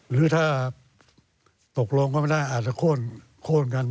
หรือถ้าตกลงก็ไม่ได้อาจจะโค้นกัน